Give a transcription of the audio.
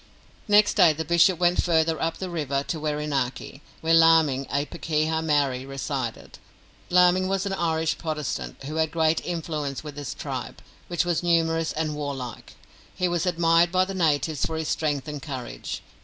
Next day the bishop went further up the river to Wherinaki, where Laming, a pakeha Maori, resided. Laming was an Irish Protestant who had great influence with his tribe, which was numerous and warlike. He was admired by the natives for his strength and courage.